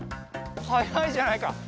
はやいじゃないか。